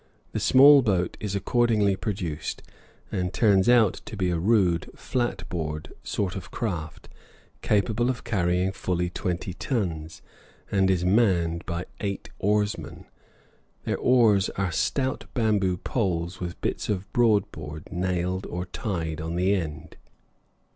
The "small boat" is accordingly produced, and turns out to be a rude flat boat sort of craft, capable of carrying fully twenty tons, and it is manned by eight oarsmen. Their oars are stout bamboo poles with bits of broad board nailed or tied on the end.